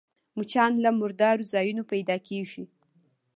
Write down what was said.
مچان له مردارو ځایونو پيدا کېږي